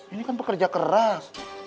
ini kan pekerja keras